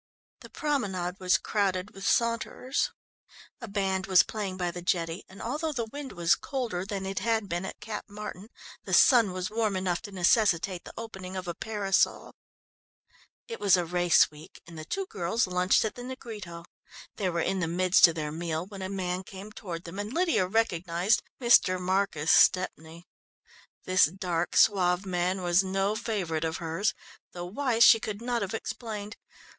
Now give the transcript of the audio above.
The promenade was crowded with saunterers. A band was playing by the jetty and although the wind was colder than it had been at Cap Martin the sun was warm enough to necessitate the opening of a parasol. It was a race week, and the two girls lunched at the Negrito. They were in the midst of their meal when a man came toward them and Lydia recognised Mr. Marcus Stepney. This dark, suave man was no favourite of hers, though why she could not have explained.